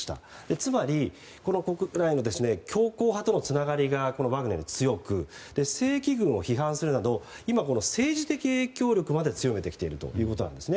つまり国内の強硬派とのつながりがワグネルは強く正規軍を批判するなど今、政治的影響力まで強めてきているということなんですね。